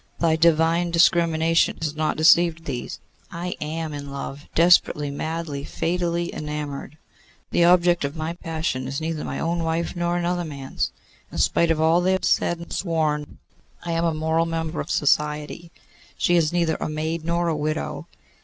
Thy divine discrimination has not deceived thee. I am in love; desperately, madly, fatally enamoured. The object of my passion is neither my own wife nor another man's. In spite of all they have said and sworn, I am a moral member of society. She is neither a maid nor a widow.